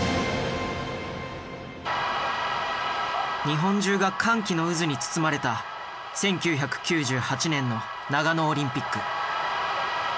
日本中が歓喜の渦に包まれた１９９８年の長野オリンピック。